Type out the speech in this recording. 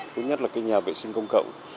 thứ nhất là cái nhà vệ sinh công cộng